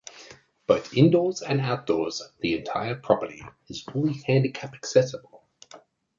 Both indoors and outdoors, the entire property is fully handicap accessible.